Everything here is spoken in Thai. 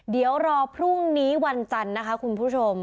เดี๋ยวรอพรุ่งนี้วันจันทร์นะคะคุณผู้ชม